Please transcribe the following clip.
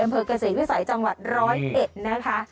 อำเภอกเกษตรวิสัยจังหวัด๑๐๑นะคะ